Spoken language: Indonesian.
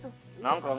quek teman banget nih